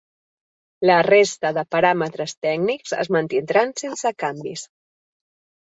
La resta de paràmetres tècnics es mantindran sense canvis.